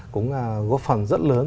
cũng góp phần rất lớn